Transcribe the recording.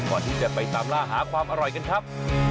ก่อนที่จะไปตามล่าหาความอร่อยกันครับ